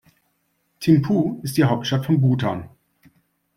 Thimphu ist die Hauptstadt von Bhutan.